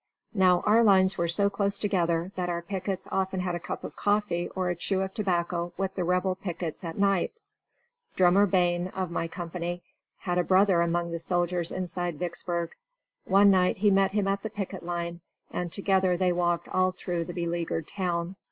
Now our lines were so close together that our pickets often had a cup of coffee or a chew of tobacco with the Rebel pickets at night. Drummer Bain, of my company, had a brother among the soldiers inside Vicksburg. One night he met him at the picket line, and together they walked all through the beleagured town.